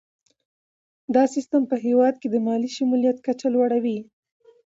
دا سیستم په هیواد کې د مالي شمولیت کچه لوړوي.